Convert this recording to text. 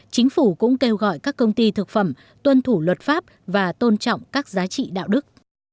chính phủ cũng kêu gọi các công ty thực phẩm tuân thủ luật pháp và tôn trọng các giá trị đạo đức